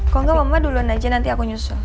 kok nggak mama duluan aja nanti aku nyusul